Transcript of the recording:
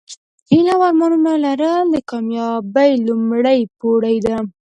هیلې او ارمانونه لرل د کامیابۍ لومړۍ پوړۍ ده.